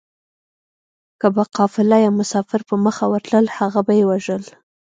که به قافله يا مسافر په مخه ورتلل هغه به يې وژل